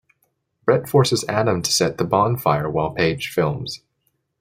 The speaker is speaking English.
Brett forces Adam to set the bonfire while Paige films.